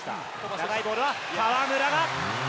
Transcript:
長いボールは河村が。